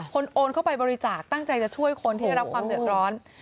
โอนเข้าไปบริจาคตั้งใจจะช่วยคนที่ได้รับความเดือดร้อน